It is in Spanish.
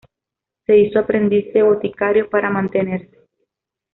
Se hizo aprendiz de boticario para mantenerse.